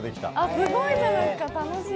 すごいじゃないですか、楽しい。